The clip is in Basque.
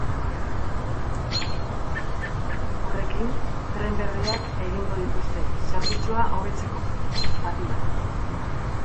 Horrekin, tren berriak egingo dituzte, zerbitzua hobetzeko, batik bat.